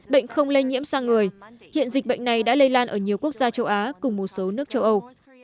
bệnh không lây nhiễm sang người hiện dịch bệnh này đã lây lan ở nhiều quốc gia châu á cùng một số nước châu âu